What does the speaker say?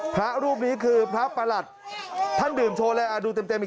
พระรูปนี้คือพระประหลัดท่านดื่มโชว์เลยอ่ะดูเต็มเต็ม